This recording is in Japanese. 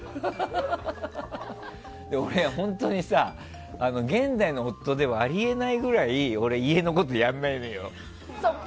俺、本当に現代の夫ではあり得ないぐらい家のこと、やんないのよ。